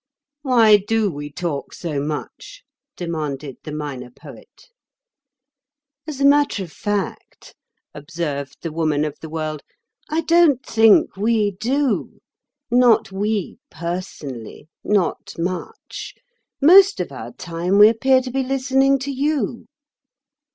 "Why do we talk so much?" demanded the Minor Poet. "As a matter of fact," observed the Woman of the World, "I don't think we do—not we, personally, not much. Most of our time we appear to be listening to you."